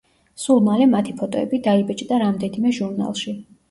სულ მალე მათი ფოტოები დაიბეჭდა რამდენიმე ჟურნალში.